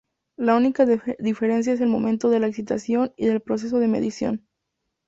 La única diferencia es el momento de la excitación y del proceso de medición.